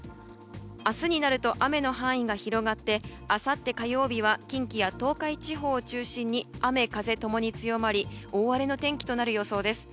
明日になると雨の範囲が広がってあさって火曜日は近畿や東海地方を中心に雨風共に強まり大荒れの天気となる予想です。